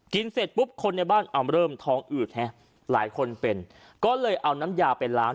เสร็จปุ๊บคนในบ้านเริ่มท้องอืดฮะหลายคนเป็นก็เลยเอาน้ำยาไปล้าง